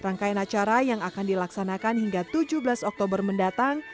rangkaian acara yang akan dilaksanakan hingga tujuh belas oktober mendatang